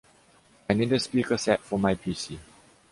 I need a speaker set for my PC.